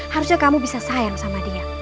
harusnya kamu bisa sayang sama dia